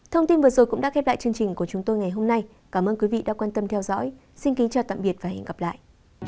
thông tin vừa rồi cũng đã khép lại chương trình của chúng tôi ngày hôm nay cảm ơn quý vị đã quan tâm theo dõi xin kính chào tạm biệt và hẹn gặp lại